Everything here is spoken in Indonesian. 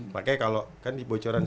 makanya kalau di bocoran